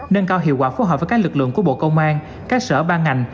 nâng cao hiệu quả phối hợp với các lực lượng của bộ công an các sở ban ngành